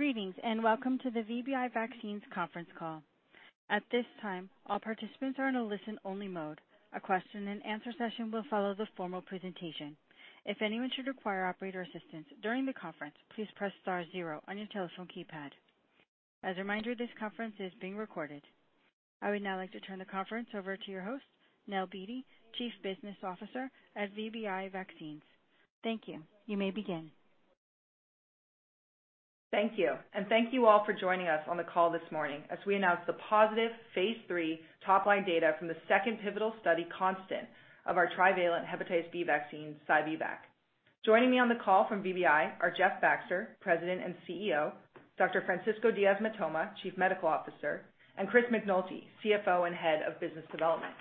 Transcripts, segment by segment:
Greetings, and welcome to the VBI Vaccines conference call. At this time, all participants are in a listen-only mode. A question and answer session will follow the formal presentation. If anyone should require operator assistance during the conference, please press star zero on your telephone keypad. As a reminder, this conference is being recorded. I would now like to turn the conference over to your host, Nell Beattie, Chief Business Officer at VBI Vaccines. Thank you. You may begin. Thank you, and thank you all for joining us on the call this morning as we announce the positive phase III top-line data from the second pivotal study, CONSTANT, of our trivalent hepatitis B vaccine, Sci-B-Vac. Joining me on the call from VBI are Jeff Baxter, President and CEO, Dr. Francisco Diaz-Mitoma, Chief Medical Officer, and Chris McNulty, CFO and Head of Business Development.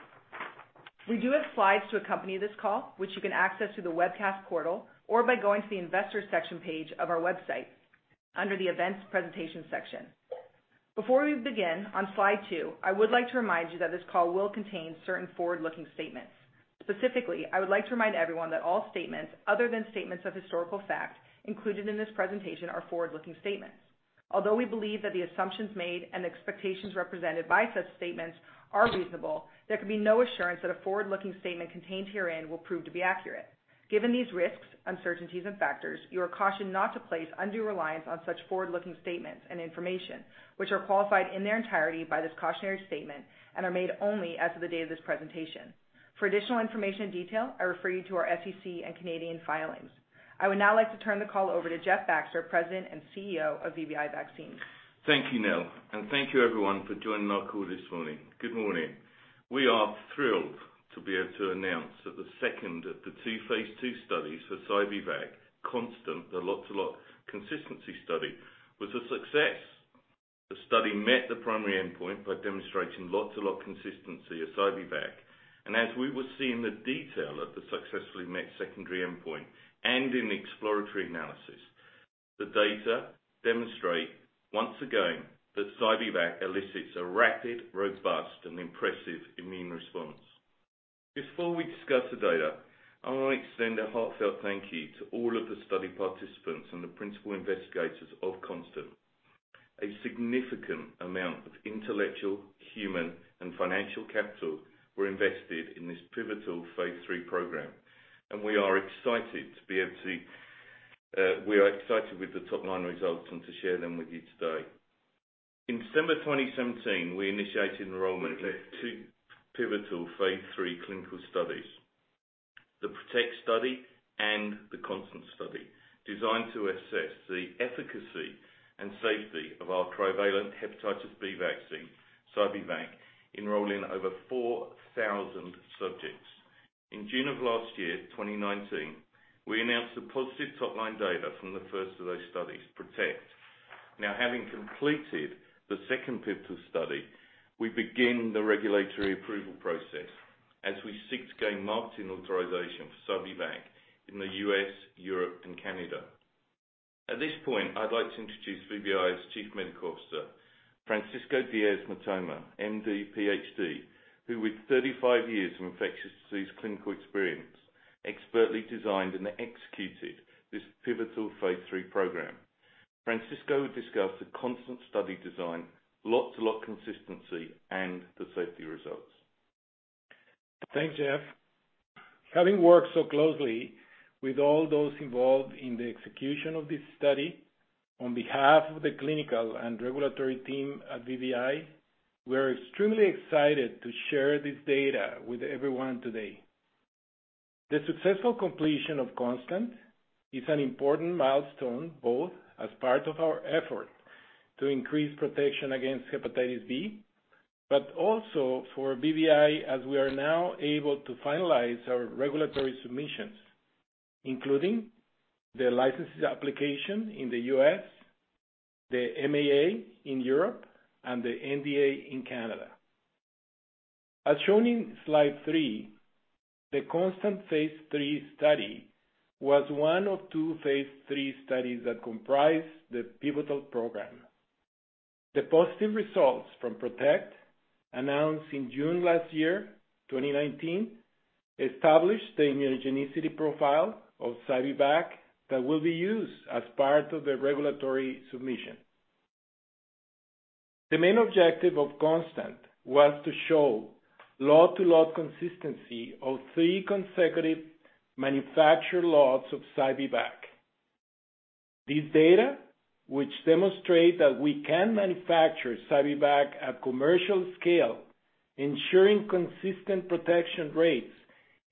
We do have slides to accompany this call, which you can access through the webcast portal or by going to the investors section page of our website under the events presentation section. Before we begin, on slide two, I would like to remind you that this call will contain certain forward-looking statements. Specifically, I would like to remind everyone that all statements other than statements of historical fact included in this presentation are forward-looking statements. Although we believe that the assumptions made and expectations represented by such statements are reasonable, there can be no assurance that a forward-looking statement contained herein will prove to be accurate. Given these risks, uncertainties, and factors, you are cautioned not to place undue reliance on such forward-looking statements and information, which are qualified in their entirety by this cautionary statement and are made only as of the date of this presentation. For additional information and detail, I refer you to our SEC and Canadian filings. I would now like to turn the call over to Jeff Baxter, President and CEO of VBI Vaccines. Thank you, Nell. Thank you everyone for joining our call this morning. Good morning. We are thrilled to be able to announce that the second of the two phase II studies for Sci-B-Vac, CONSTANT, the lot-to-lot consistency study, was a success. The study met the primary endpoint by demonstrating lot-to-lot consistency of Sci-B-Vac. As we will see in the detail of the successfully met secondary endpoint and in the exploratory analysis, the data demonstrate once again that Sci-B-Vac elicits a rapid, robust, and impressive immune response. Before we discuss the data, I want to extend a heartfelt thank you to all of the study participants and the principal investigators of CONSTANT. A significant amount of intellectual, human, and financial capital were invested in this pivotal phase III program, and we are excited with the top-line results and to share them with you today. In December 2017, we initiated enrollment of two pivotal phase III clinical studies, the PROTECT study and the CONSTANT study, designed to assess the efficacy and safety of our trivalent hepatitis B vaccine, Sci-B-Vac, enrolling over 4,000 subjects. In June of last year, 2019, we announced the positive top-line data from the first of those studies, PROTECT. Having completed the second pivotal study, we begin the regulatory approval process as we seek to gain marketing authorization for Sci-B-Vac in the U.S., Europe, and Canada. At this point, I'd like to introduce VBI's Chief Medical Officer, Francisco Diaz-Mitoma, MD, PhD, who with 35 years of infectious disease clinical experience, expertly designed and executed this pivotal phase III program. Francisco will discuss the CONSTANT study design, lot-to-lot consistency, and the safety results. Thanks, Jeff. Having worked so closely with all those involved in the execution of this study, on behalf of the clinical and regulatory team at VBI, we're extremely excited to share this data with everyone today. The successful completion of CONSTANT is an important milestone, both as part of our effort to increase protection against hepatitis B, but also for VBI as we are now able to finalize our regulatory submissions, including the BLA in the U.S., the MAA in Europe, and the NDA in Canada. As shown in slide three, the CONSTANT phase III study was one of two phase III studies that comprise the pivotal program. The positive results from PROTECT, announced in June last year, 2019, established the immunogenicity profile of Sci-B-Vac that will be used as part of the regulatory submission. The main objective of CONSTANT was to show lot-to-lot consistency of 3 consecutive manufactured lots of Sci-B-Vac. This data, which demonstrate that we can manufacture Sci-B-Vac at commercial scale, ensuring consistent protection rates,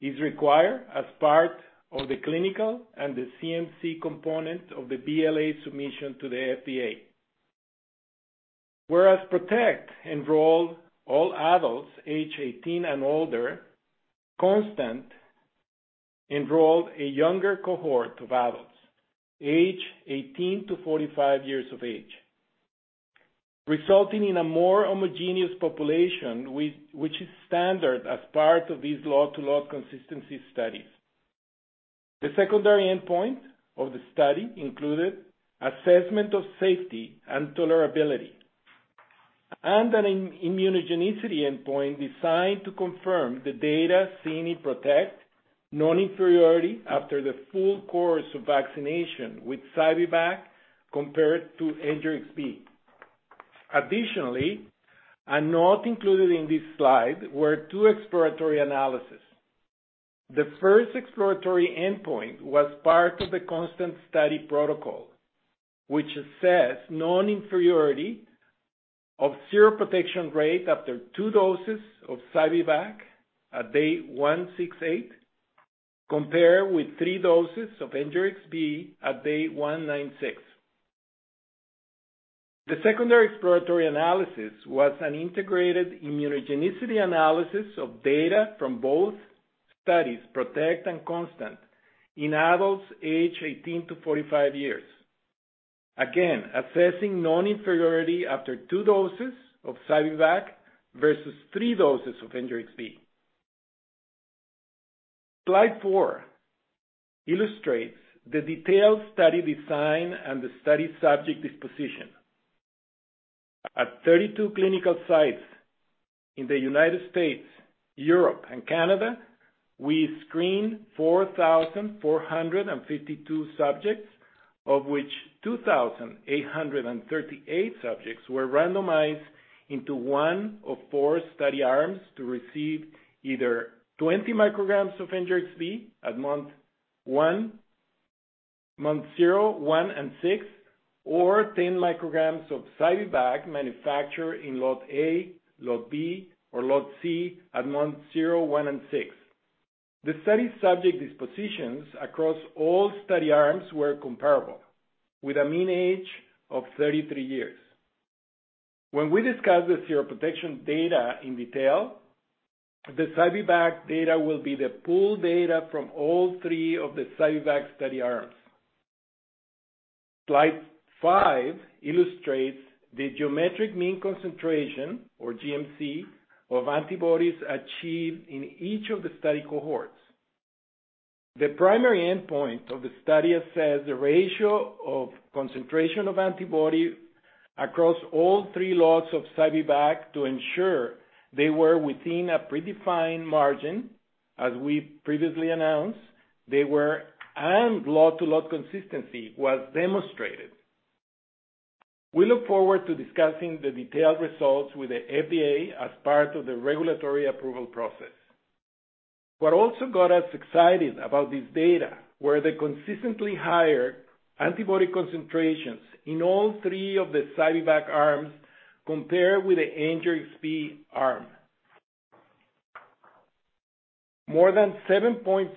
is required as part of the clinical and the CMC component of the BLA submission to the FDA. Whereas PROTECT enrolled all adults aged 18 and older, CONSTANT enrolled a younger cohort of adults aged 18 to 45 years of age, resulting in a more homogeneous population, which is standard as part of these lot-to-lot consistency studies. The secondary endpoint of the study included assessment of safety and tolerability and an immunogenicity endpoint designed to confirm the data seen in PROTECT non-inferiority after the full course of vaccination with Sci-B-Vac compared to Engerix-B. Additionally, and not included in this slide, were 2 exploratory analyses. The first exploratory endpoint was part of the CONSTANT study protocol, which assessed non-inferiority of seroprotection rate after two doses of Sci-B-Vac at day 168, compared with three doses of Engerix-B at day 196. The secondary exploratory analysis was an integrated immunogenicity analysis of data from both studies, PROTECT and CONSTANT, in adults age 18 to 45 years, again, assessing non-inferiority after two doses of Sci-B-Vac versus three doses of Engerix-B. Slide four illustrates the detailed study design and the study subject disposition. At 32 clinical sites in the U.S., Europe, and Canada, we screened 4,452 subjects, of which 2,838 subjects were randomized into one of four study arms to receive either 20 micrograms of Engerix-B at month zero, one, and six, or 10 micrograms of Sci-B-Vac manufactured in Lot A, Lot B, or Lot C at month zero, one, and six. The study subject dispositions across all study arms were comparable with a mean age of 33 years. When we discuss the seroprotection data in detail, the Sci-B-Vac data will be the pool data from all three of the Sci-B-Vac study arms. Slide five illustrates the geometric mean concentration, or GMC, of antibodies achieved in each of the study cohorts. The primary endpoint of the study assessed the ratio of concentration of antibody across all three lots of Sci-B-Vac to ensure they were within a predefined margin. As we previously announced, they were, and lot-to-lot consistency was demonstrated. We look forward to discussing the detailed results with the FDA as part of the regulatory approval process. What also got us excited about this data were the consistently higher antibody concentrations in all three of the Sci-B-Vac arms compared with the Engerix-B arm. More than 7.5%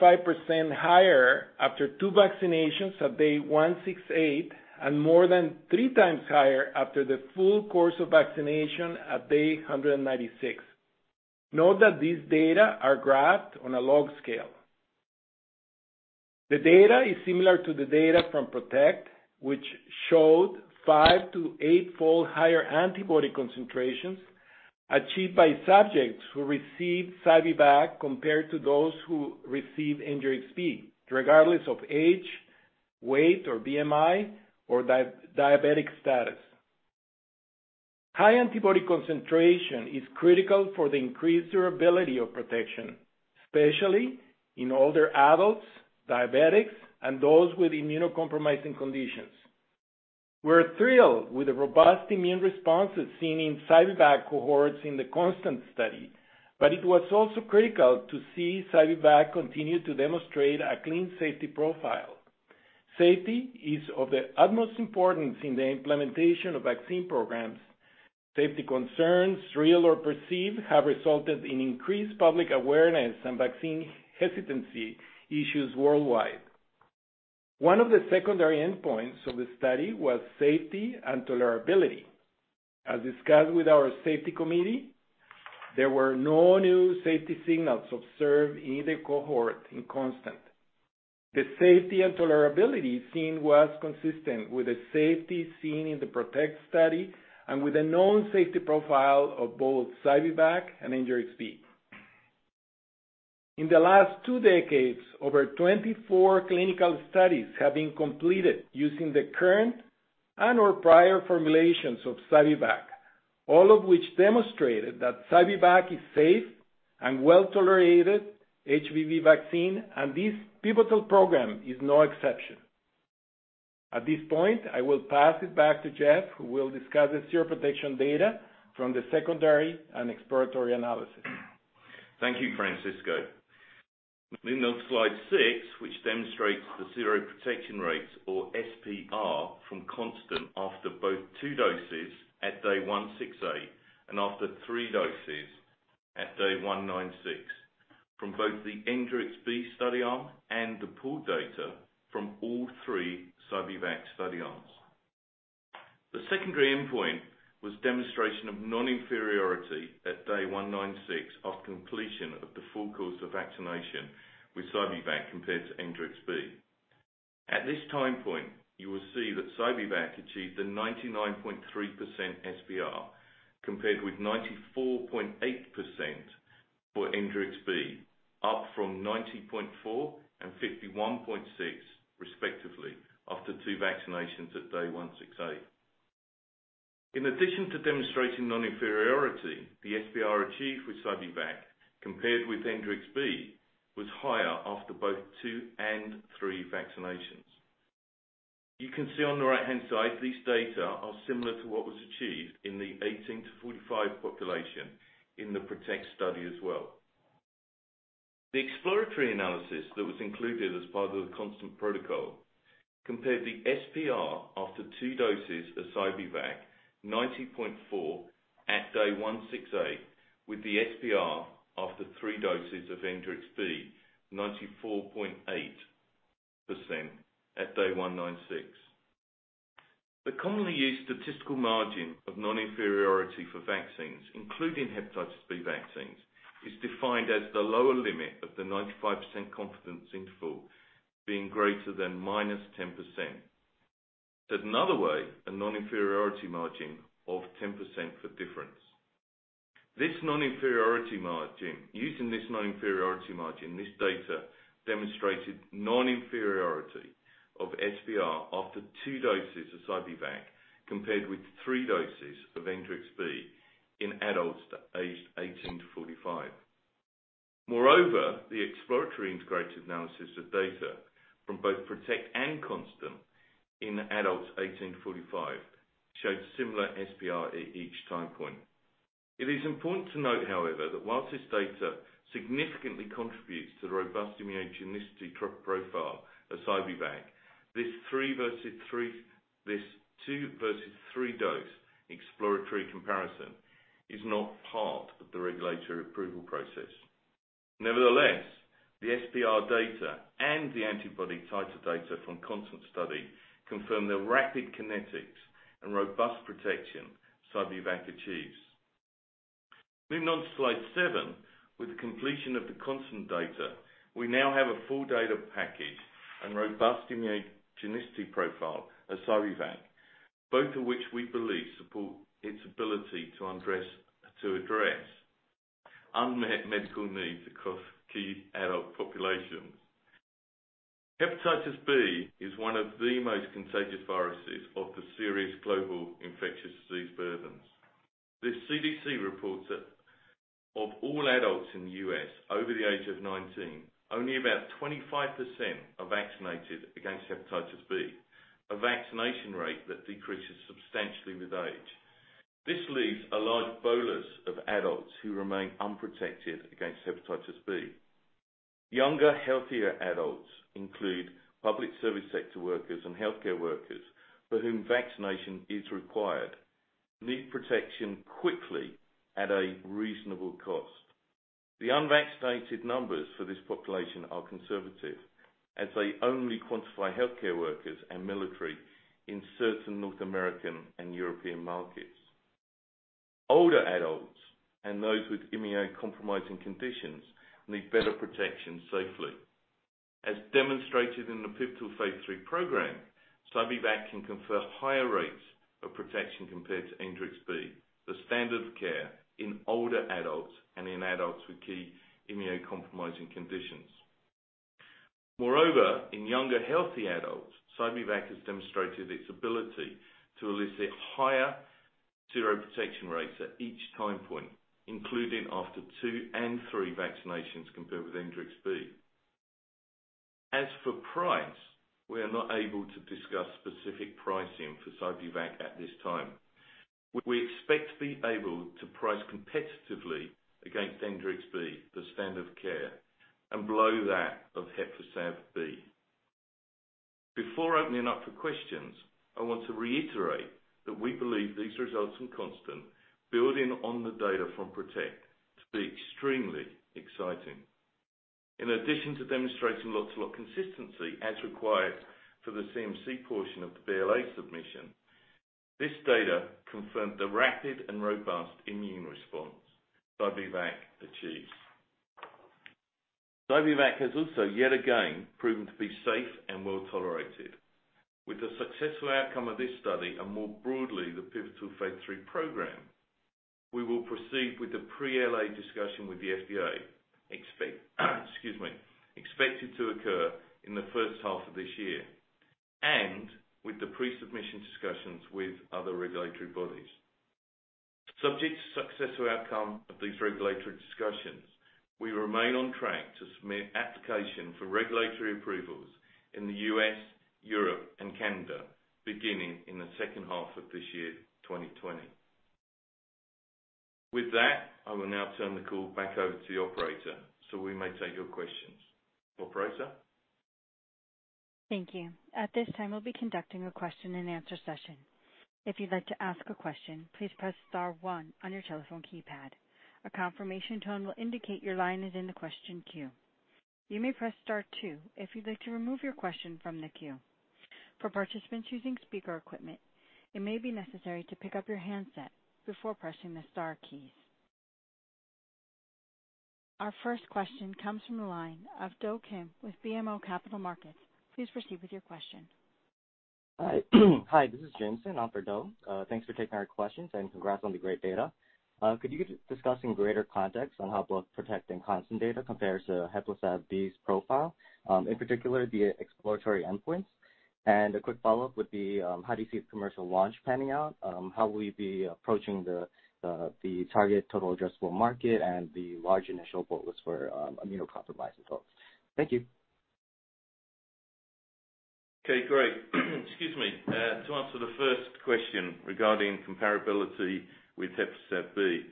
higher after two vaccinations at day 168, and more than three times higher after the full course of vaccination at day 196. Note that these data are graphed on a log scale. The data is similar to the data from PROTECT, which showed five to eightfold higher antibody concentrations achieved by subjects who received Sci-B-Vac compared to those who received Engerix-B, regardless of age, weight, or BMI, or diabetic status. High antibody concentration is critical for the increased durability of protection, especially in older adults, diabetics, and those with immunocompromising conditions. It was also critical to see Sci-B-Vac continue to demonstrate a clean safety profile. Safety is of the utmost importance in the implementation of vaccine programs. Safety concerns, real or perceived, have resulted in increased public awareness and vaccine hesitancy issues worldwide. One of the secondary endpoints of the study was safety and tolerability. As discussed with our safety committee, there were no new safety signals observed in the cohort in CONSTANT. The safety and tolerability seen was consistent with the safety seen in the PROTECT study and with the known safety profile of both Sci-B-Vac and Engerix-B. In the last two decades, over 24 clinical studies have been completed using the current and/or prior formulations of Sci-B-Vac, all of which demonstrated that Sci-B-Vac is safe and well-tolerated HBV vaccine, and this pivotal program is no exception. At this point, I will pass it back to Jeff, who will discuss the seroprotection data from the secondary and exploratory analysis. Thank you, Francisco. Moving on to slide six, which demonstrates the seroprotection rates, or SPR, from CONSTANT after both two doses at day 168 and after three doses at day 196 from both the Engerix-B study arm and the pool data from all three Sci-B-Vac study arms. The secondary endpoint was demonstration of non-inferiority at day 196 after completion of the full course of vaccination with Sci-B-Vac compared to Engerix-B. At this time point, you will see that Sci-B-Vac achieved a 99.3% SPR compared with 94.8% for Engerix-B, up from 90.4 and 51.6 respectively after two vaccinations at day 168. In addition to demonstrating non-inferiority, the SPR achieved with Sci-B-Vac compared with Engerix-B was higher after both two and three vaccinations. You can see on the right-hand side these data are similar to what was achieved in the 18 to 45 population in the PROTECT study as well. The exploratory analysis that was included as part of the CONSTANT protocol compared the SPR after two doses of Sci-B-Vac 90.4% at day 168 with the SPR after three doses of Engerix-B, 94.8% at day 196. The commonly used statistical margin of non-inferiority for vaccines, including Hepatitis B vaccines, is defined as the lower limit of the 95% confidence interval being greater than -10%. Said another way, a non-inferiority margin of 10% for difference. Using this non-inferiority margin, this data demonstrated non-inferiority of SPR after two doses of Sci-B-Vac compared with three doses of Engerix-B in adults aged 18 to 45. Moreover, the exploratory integrated analysis of data from both PROTECT and CONSTANT in adults 18 to 45 showed similar SPR at each time point. It is important to note, however, that whilst this data significantly contributes to the robust immunogenicity profile of Sci-B-Vac, this 2-dose versus 3-dose exploratory comparison is not part of the regulatory approval process. The SPR data and the antibody titer data from CONSTANT study confirm the rapid kinetics and robust protection Sci-B-Vac achieves. Moving on to slide seven. With the completion of the CONSTANT data, we now have a full data package and robust immunogenicity profile of Sci-B-Vac, both of which we believe support its ability to address unmet medical needs across key adult populations. Hepatitis B is one of the most contagious viruses of the serious global infectious disease burdens. The CDC reports that of all adults in the U.S. over the age of 19, only about 25% are vaccinated against hepatitis B, a vaccination rate that decreases substantially with age. This leaves a large bolus of adults who remain unprotected against hepatitis B. Younger, healthier adults include public service sector workers and healthcare workers for whom vaccination is required, need protection quickly at a reasonable cost. The unvaccinated numbers for this population are conservative as they only quantify healthcare workers and military in certain North American and European markets. Older adults and those with immunocompromising conditions need better protection safely. As demonstrated in the pivotal phase III program, Sci-B-Vac can confer higher rates of protection compared to Engerix-B, the standard of care in older adults and in adults with key immunocompromising conditions. Moreover, in younger healthy adults, Sci-B-Vac has demonstrated its ability to elicit higher seroprotection rates at each time point, including after two and three vaccinations compared with Engerix-B. As for price, we are not able to discuss specific pricing for Sci-B-Vac at this time. We expect to be able to price competitively against Engerix-B, the standard of care, and below that of HEPLISAV-B. Before opening up for questions, I want to reiterate that we believe these results from CONSTANT building on the data from PROTECT to be extremely exciting. In addition to demonstrating lot-to-lot consistency as required for the CMC portion of the BLA submission, this data confirmed the rapid and robust immune response Sci-B-Vac achieves. Sci-B-Vac has also yet again proven to be safe and well-tolerated. With the successful outcome of this study and more broadly, the pivotal phase III program, we will proceed with the pre-BLA discussion with the FDA, excuse me, expected to occur in the first half of this year, and with the pre-submission discussions with other regulatory bodies. Subject to successful outcome of these regulatory discussions, we remain on track to submit application for regulatory approvals in the U.S., Europe, and Canada, beginning in the second half of this year, 2020. I will now turn the call back over to the operator, so we may take your questions. Operator? Thank you. At this time, we'll be conducting a question and answer session. If you'd like to ask a question, please press star one on your telephone keypad. A confirmation tone will indicate your line is in the question queue. You may press star two if you'd like to remove your question from the queue. For participants using speaker equipment, it may be necessary to pick up your handset before pressing the star keys. Our first question comes from the line of Do Kim with BMO Capital Markets. Please proceed with your question. Hi. Hi, this is Jameson, Oppenheimer & Co. Thanks for taking our questions, and congrats on the great data. Could you discuss in greater context on how both PROTECT and CONSTANT data compares to HEPLISAV-B's profile, in particular, the exploratory endpoints? A quick follow-up would be, how do you see the commercial launch panning out? How will you be approaching the target total addressable market and the large initial focus for immunocompromised adults? Thank you. Okay, great. Excuse me. To answer the first question regarding comparability with HEPLISAV-B.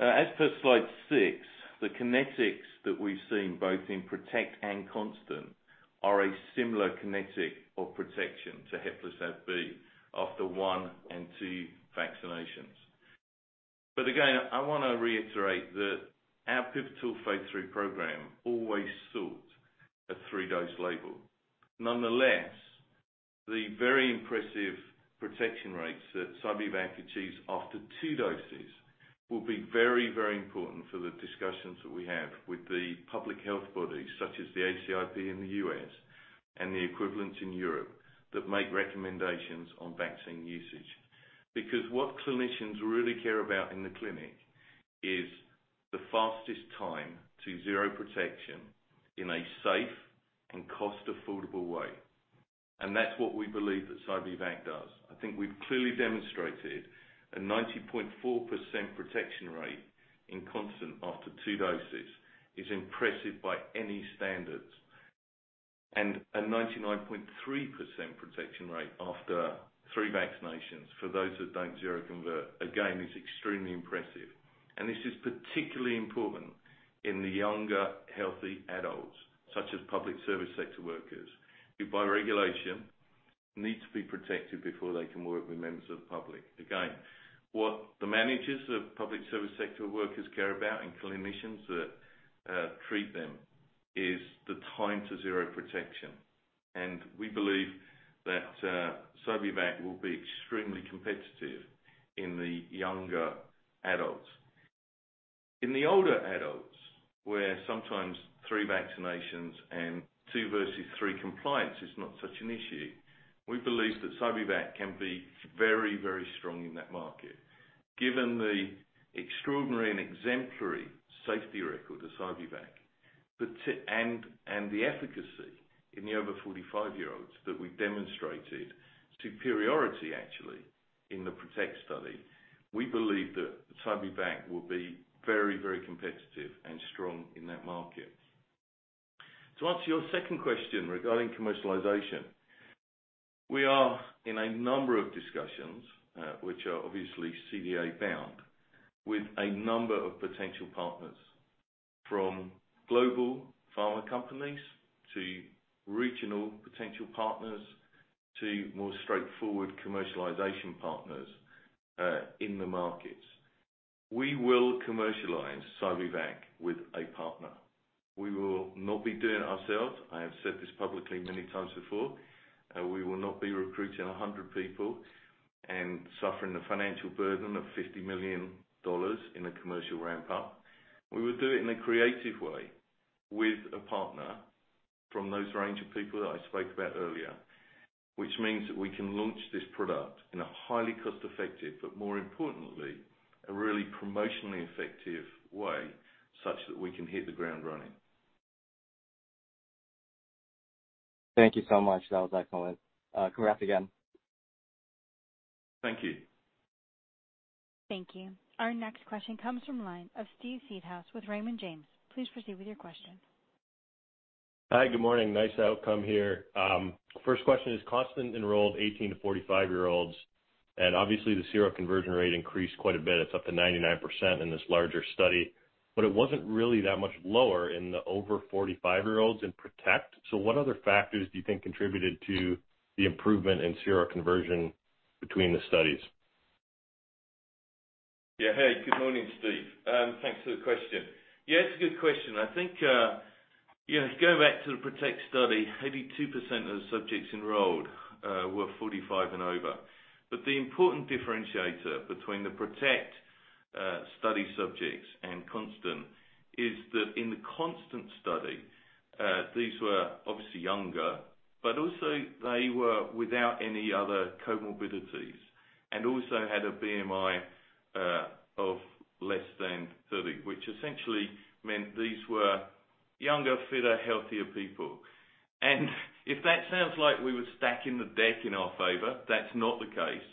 As per slide six, the kinetics that we've seen both in PROTECT and CONSTANT are a similar kinetic of protection to HEPLISAV-B after one and two vaccinations. Again, I want to reiterate that our pivotal phase III program always sought a three-dose label. Nonetheless, the very impressive protection rates that Sci-B-Vac achieves after two doses will be very important for the discussions that we have with the public health bodies, such as the ACIP in the U.S. and the equivalents in Europe, that make recommendations on vaccine usage. What clinicians really care about in the clinic is the fastest time to seroprotection in a safe and cost-affordable way. That's what we believe that Sci-B-Vac does. I think we've clearly demonstrated a 90.4% protection rate in CONSTANT after 2 doses is impressive by any standards, a 99.3% protection rate after 3 vaccinations for those that don't seroconvert, again, is extremely impressive. This is particularly important in the younger healthy adults, such as public service sector workers, who by regulation need to be protected before they can work with members of the public. Again, what the managers of public service sector workers care about and clinicians that treat them is the time to seroprotection. We believe that Sci-B-Vac will be extremely competitive in the younger adults. In the older adults, where sometimes 3 vaccinations and 2 versus 3 compliance is not such an issue, we believe that Sci-B-Vac can be very strong in that market. Given the extraordinary and exemplary safety record of Sci-B-Vac and the efficacy in the over 45-year-olds that we've demonstrated, superiority actually in the PROTECT study. We believe that Sci-B-Vac will be very competitive and strong in that market. To answer your second question regarding commercialization, we are in a number of discussions, which are obviously CDA bound, with a number of potential partners, from global pharma companies to regional potential partners to more straightforward commercialization partners in the markets. We will commercialize Sci-B-Vac with a partner. We will not be doing it ourselves. I have said this publicly many times before. We will not be recruiting 100 people and suffering the financial burden of $50 million in a commercial ramp-up. We will do it in a creative way with a partner from those range of people that I spoke about earlier. Which means that we can launch this product in a highly cost-effective, but more importantly, a really promotionally effective way such that we can hit the ground running. Thank you so much. That was excellent. Congrats again. Thank you. Thank you. Our next question comes from the line of Steve Seedhouse with Raymond James. Please proceed with your question. Hi. Good morning. Nice outcome here. First question is, CONSTANT enrolled 18 to 45-year-olds, and obviously the seroconversion rate increased quite a bit. It's up to 99% in this larger study, but it wasn't really that much lower in the over 45-year-olds in PROTECT. What other factors do you think contributed to the improvement in seroconversion between the studies? Yeah. Hey, good morning, Steve. Thanks for the question. Yeah, it's a good question. I think, going back to the PROTECT study, 82% of the subjects enrolled were 45 and over. The important differentiator between the PROTECT study subjects and CONSTANT is that in the CONSTANT study, these were obviously younger, but also they were without any other comorbidities and also had a BMI of less than 30, which essentially meant these were younger, fitter, healthier people. If that sounds like we were stacking the deck in our favor, that's not the case.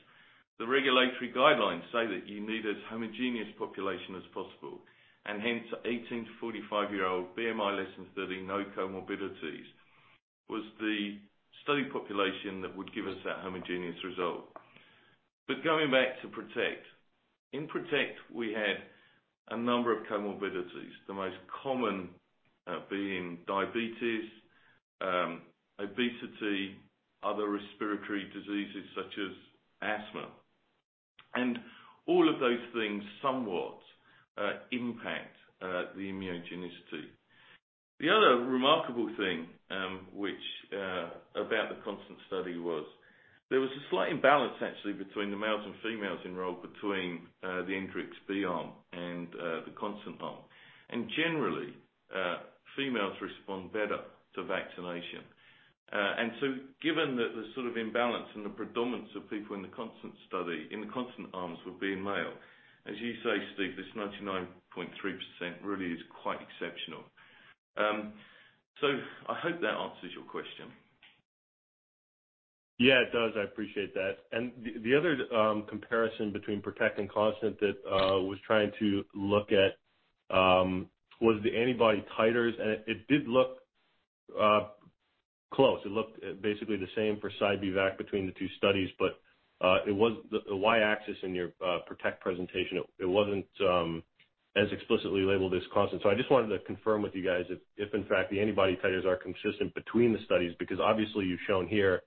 The regulatory guidelines say that you need as homogeneous population as possible, and hence 18 to 45-year-old, BMI less than 30, no comorbidities, was the study population that would give us that homogeneous result. Going back to PROTECT. In PROTECT, we had a number of comorbidities, the most common being diabetes, obesity, other respiratory diseases such as asthma. All of those things somewhat impact the immunogenicity. The other remarkable thing, which about the CONSTANT study was there was a slight imbalance actually between the males and females enrolled between the Engerix-B arm and the CONSTANT arm. Generally, females respond better to vaccination. Given that the sort of imbalance and the predominance of people in the CONSTANT study, in the CONSTANT arms were being male, as you say, Steve, this 99.3% really is quite exceptional. I hope that answers your question. Yeah, it does. I appreciate that. The other comparison between PROTECT and CONSTANT that was trying to look at was the antibody titers, and it did look close. It looked basically the same for Sci-B-Vac between the two studies, but the Y-axis in your PROTECT presentation, it wasn't as explicitly labeled as CONSTANT. I just wanted to confirm with you guys if in fact the antibody titers are consistent between the studies, because obviously you've shown here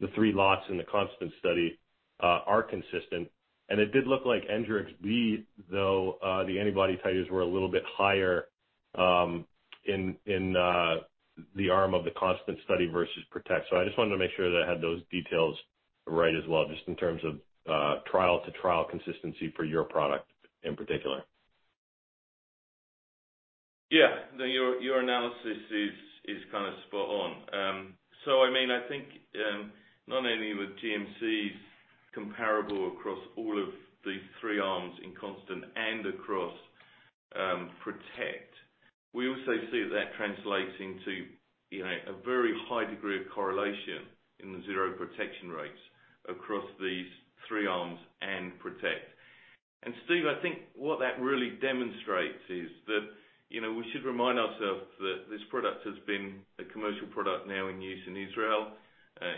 the three lots in the CONSTANT study are consistent, and it did look like Engerix-B, though, the antibody titers were a little bit higher in the arm of the CONSTANT study versus PROTECT. I just wanted to make sure that I had those details right as well, just in terms of trial to trial consistency for your product in particular. No, your analysis is kind of spot on. I think, not only were GMCs comparable across all of the three arms in CONSTANT and across PROTECT, we also see that that translates into a very high degree of correlation in the seroprotection rates across these three arms and PROTECT. Steve, I think what that really demonstrates is that, we should remind ourselves that this product has been a commercial product now in use in Israel.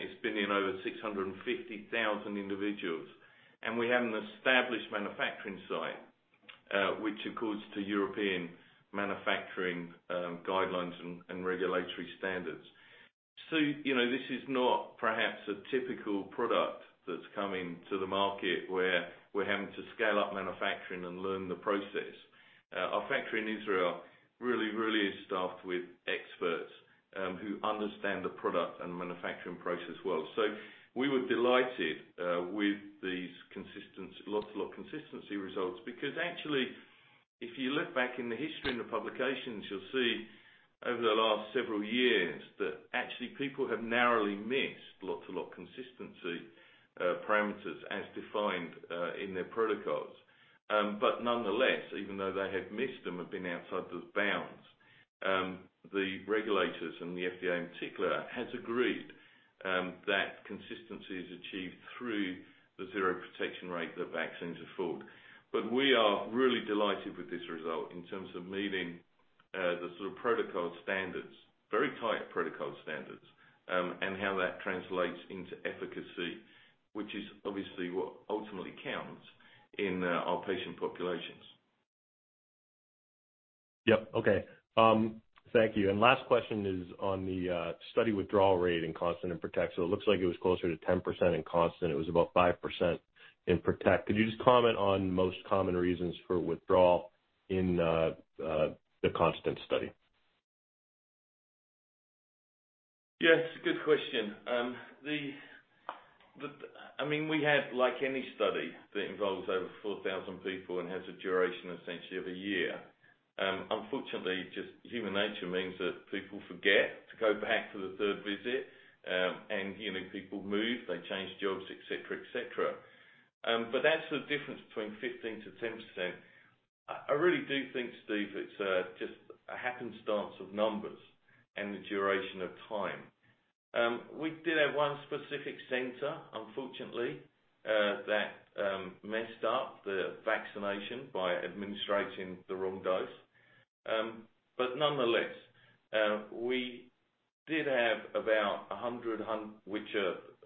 It's been in over 650,000 individuals. We have an established manufacturing site, which accords to European manufacturing guidelines and regulatory standards. This is not perhaps a typical product that's coming to the market where we're having to scale up manufacturing and learn the process. Our factory in Israel really is staffed with experts who understand the product and manufacturing process well. We were delighted with these lot to lot consistency results because actually, if you look back in the history and the publications, you'll see over the last several years that actually people have narrowly missed lot to lot consistency parameters as defined in their protocols. Nonetheless, even though they have missed them and been outside those bounds, the regulators and the FDA in particular, has agreed that consistency is achieved through the seroprotection rate that vaccines afford. We are really delighted with this result in terms of meeting the sort of protocol standards, very tight protocol standards, and how that translates into efficacy, which is obviously what ultimately counts in our patient populations. Yep. Okay. Thank you. Last question is on the study withdrawal rate in CONSTANT and PROTECT. It looks like it was closer to 10% in CONSTANT. It was about 5% in PROTECT. Could you just comment on most common reasons for withdrawal in the CONSTANT study? Yeah. It's a good question. We had, like any study that involves over 4,000 people and has a duration essentially of a year, unfortunately, just human nature means that people forget to go back to the third visit, and people move, they change jobs, et cetera. That's the difference between 15%-10%. I really do think, Steve, it's just a happenstance of numbers and the duration of time. We did have one specific center, unfortunately, that messed up the vaccination by administering the wrong dose. Nonetheless, we did have about 100,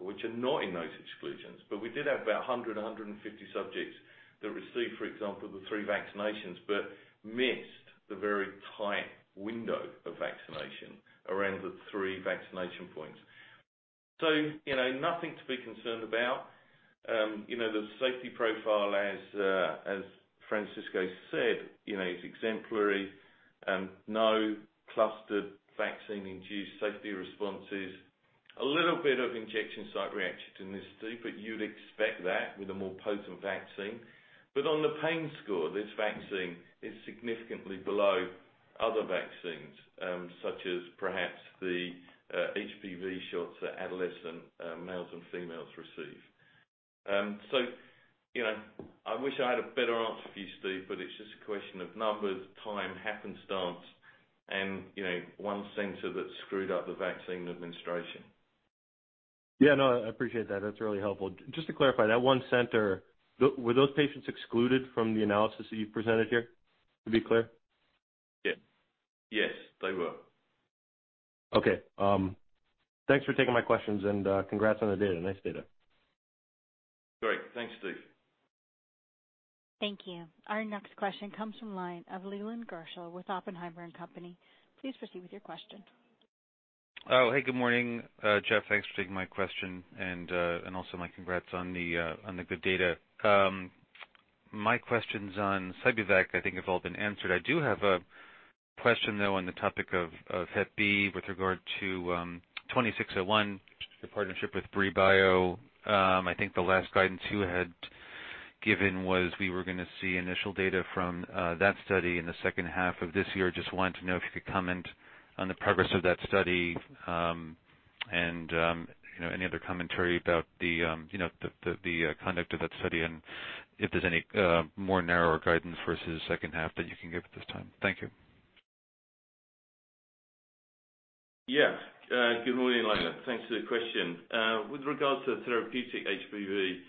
which are not in those exclusions, but we did have about 100-150 subjects that received, for example, the three vaccinations, but missed the very tight window of vaccination around the three vaccination points. Nothing to be concerned about. The safety profile, as Francisco said, is exemplary. No clustered vaccine-induced safety responses. A little bit of injection site reaction in this, Steve. You'd expect that with a more potent vaccine. On the pain score, this vaccine is significantly below other vaccines, such as perhaps the HBV shots that adolescent males and females receive. I wish I had a better answer for you, Steve, but it's just a question of numbers, time, happenstance, and one center that screwed up the vaccine administration. Yeah, no, I appreciate that. That's really helpful. Just to clarify, that one center, were those patients excluded from the analysis that you've presented here? To be clear? Yes. They were. Okay. Thanks for taking my questions and congrats on the data. Nice data. Great. Thanks, Steve. Thank you. Our next question comes from the line of Leland Gerschel with Oppenheimer & Co. Please proceed with your question. Oh, hey, good morning, Jeff. Thanks for taking my question and also my congrats on the good data. My questions on Sci-B-Vac, I think have all been answered. I do have a question, though, on the topic of Hep B with regard to 2601, your partnership with Brii Biosciences. I think the last guidance, too, was we were going to see initial data from that study in the second half of this year. Just wanted to know if you could comment on the progress of that study, and any other commentary about the conduct of that study, and if there's any more narrower guidance versus second half that you can give at this time. Thank you. Yes. Good morning, Leland. Thanks for the question. With regards to therapeutic HBV asset,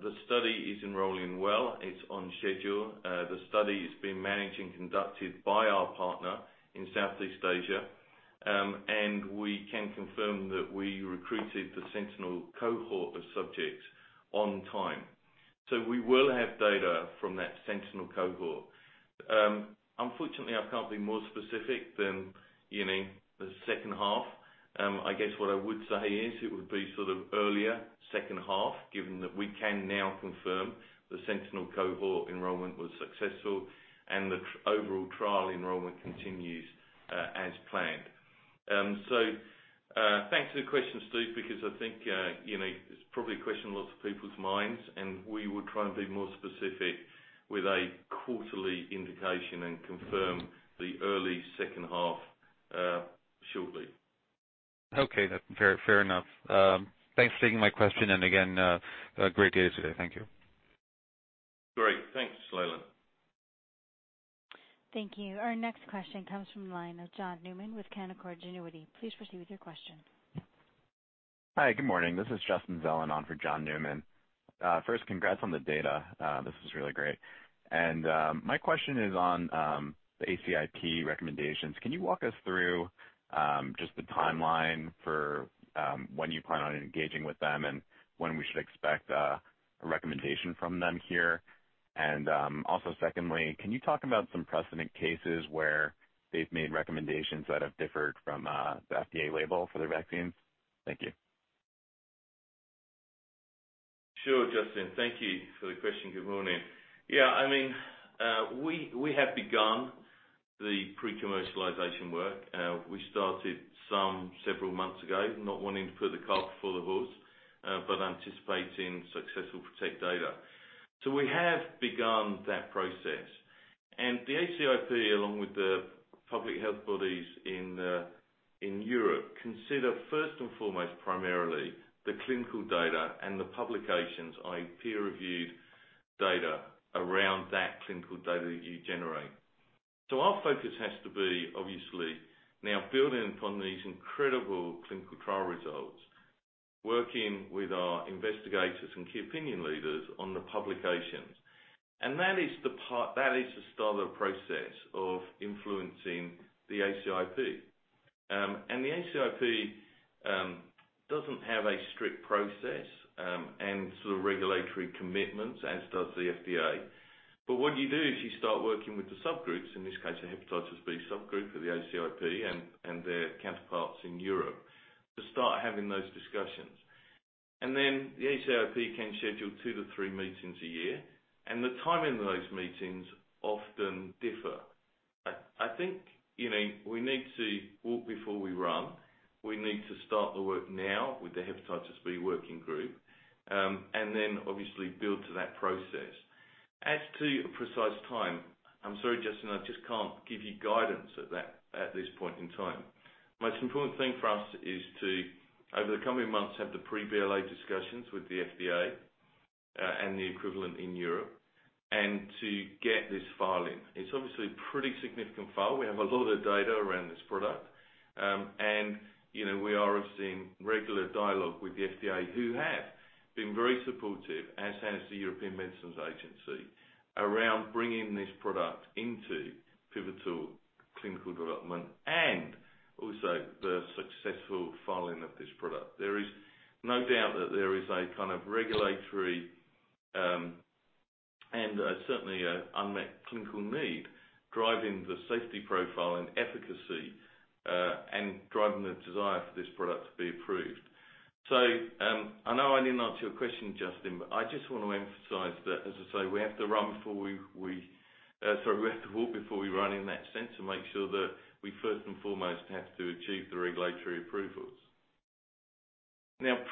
the study is enrolling well. It's on schedule. The study is being managed and conducted by our partner in Southeast Asia. We can confirm that we recruited the sentinel cohort of subjects on time. We will have data from that sentinel cohort. Unfortunately, I can't be more specific than the second half. I guess what I would say is it would be sort of earlier second half, given that we can now confirm the sentinel cohort enrollment was successful and the overall trial enrollment continues as planned. Thanks for the question, Steve, because I think it's probably a question on lots of people's minds, and we would try and be more specific with a quarterly indication and confirm the early second half shortly. Okay. Fair enough. Thanks for taking my question, and again, great data today. Thank you. Great. Thanks, Leland. Thank you. Our next question comes from the line of John Newman with Canaccord Genuity. Please proceed with your question. Hi, good morning. This is Justin Zelin on for John Newman. First, congrats on the data. This is really great. My question is on the ACIP recommendations. Can you walk us through just the timeline for when you plan on engaging with them and when we should expect a recommendation from them here? Also secondly, can you talk about some precedent cases where they've made recommendations that have differed from the FDA label for their vaccines? Thank you. Sure, Justin. Thank you for the question. Good morning. Yeah, we have begun the pre-commercialization work. We started some several months ago, not wanting to put the cart before the horse, but anticipating successful PROTECT data. We have begun that process. The ACIP, along with the public health bodies in Europe, consider first and foremost, primarily, the clinical data and the publications, i.e., peer-reviewed data around that clinical data that you generate. Our focus has to be, obviously, now building upon these incredible clinical trial results, working with our investigators and key opinion leaders on the publications. That is the start of the process of influencing the ACIP. The ACIP doesn't have a strict process, and sort of regulatory commitments as does the FDA. What you do is you start working with the subgroups, in this case, the hepatitis B subgroup of the ACIP, and their counterparts in Europe, to start having those discussions. The ACIP can schedule two to three meetings a year, and the timing of those meetings often differ. I think we need to walk before we run. We need to start the work now with the hepatitis B working group, and then obviously build to that process. As to precise time, I'm sorry, Justin, I just can't give you guidance at this point in time. Most important thing for us is to, over the coming months, have the pre-BLA discussions with the FDA and the equivalent in Europe, and to get this file in. It's obviously a pretty significant file. We have a lot of data around this product. We are seeing regular dialogue with the FDA, who have been very supportive, as has the European Medicines Agency, around bringing this product into pivotal clinical development and also the successful filing of this product. There is no doubt that there is a kind of regulatory, and certainly unmet clinical need driving the safety profile and efficacy, and driving the desire for this product to be approved. I know I didn't answer your question, Justin, but I just want to emphasize that, as I say, we have to walk before we run in that sense, and make sure that we first and foremost have to achieve the regulatory approvals.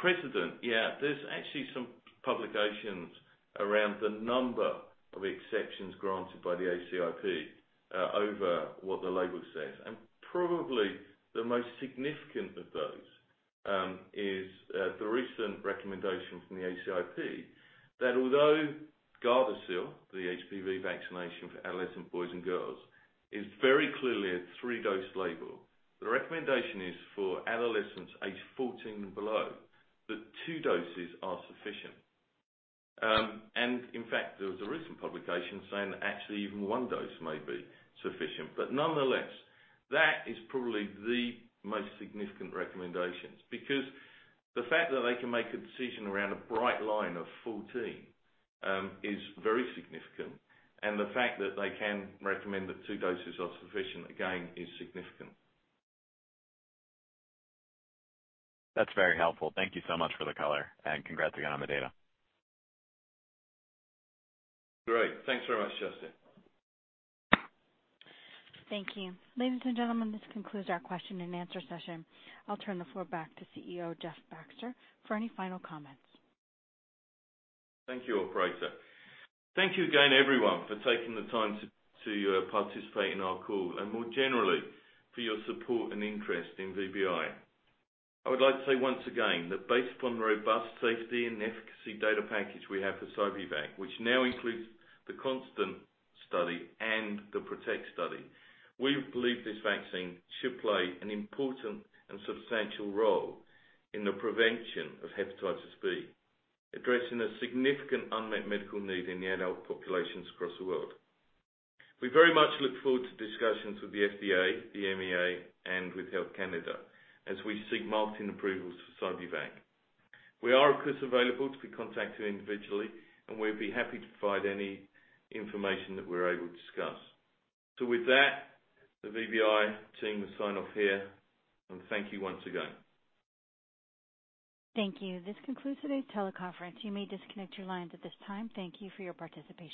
Precedent. Yeah. There's actually some publications around the number of exceptions granted by the ACIP over what the label says. Probably the most significant of those is the recent recommendation from the ACIP that although Gardasil, the HPV vaccination for adolescent boys and girls, is very clearly a 3-dose label, the recommendation is for adolescents age 14 and below that 2 doses are sufficient. In fact, there was a recent publication saying that actually even 1 dose may be sufficient. Nonetheless, that is probably the most significant recommendations. The fact that they can make a decision around a bright line of 14 is very significant, and the fact that they can recommend that 2 doses are sufficient, again, is significant. That's very helpful. Thank you so much for the color, and congrats again on the data. Great. Thanks very much, Justin. Thank you. Ladies and gentlemen, this concludes our question and answer session. I'll turn the floor back to CEO Jeff Baxter for any final comments. Thank you, operator. Thank you again, everyone, for taking the time to participate in our call, and more generally, for your support and interest in VBI. I would like to say once again that based upon the robust safety and efficacy data package we have for Sci-B-Vac, which now includes the CONSTANT study and the PROTECT study, we believe this vaccine should play an important and substantial role in the prevention of hepatitis B, addressing a significant unmet medical need in the adult populations across the world. We very much look forward to discussions with the FDA, the EMA, and with Health Canada as we seek marketing approvals for Sci-B-Vac. We are, of course, available to be contacted individually, and we'd be happy to provide any information that we're able to discuss. With that, the VBI team will sign off here, and thank you once again. Thank you. This concludes today's teleconference. You may disconnect your lines at this time. Thank you for your participation.